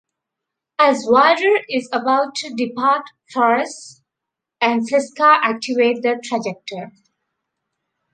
As "Voyager" is about to depart, Torres and Seska activate the trajector.